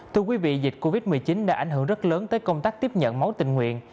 thưa quý vị dịch covid một mươi chín đã ảnh hưởng rất lớn tới công tác tiếp nhận máu tình nguyện